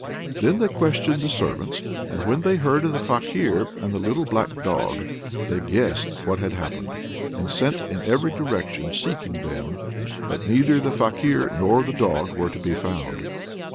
Then they questioned the servants, and when they heard of the Fakir and the little black dog, they guessed what had happened, and sent in every direction seeking them, but neither the Fakir nor the dog were to be found.